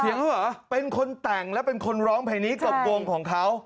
เหรอเป็นคนแต่งและเป็นคนร้องเพลงนี้กับวงของเขา